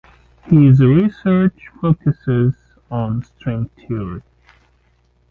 His research focusses on string theory.